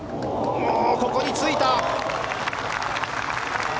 ここについた。